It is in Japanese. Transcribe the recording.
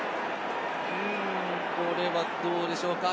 これはどうでしょうか？